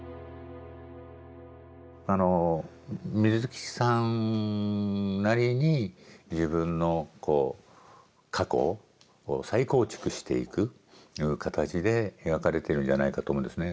あの水木さんなりに自分のこう過去を再構築していくという形で描かれてるんじゃないかと思うんですね。